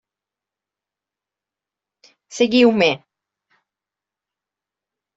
Seguiu-me!